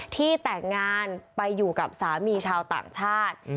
ที่แต่งงานไปอยู่กับสามีชาวต่างชาติ